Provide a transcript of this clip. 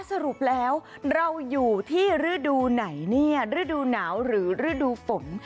สรุปแล้วเราอยู่ที่ฤดูไหนเนี่ยฤดูหนาวหรือฤดูฝน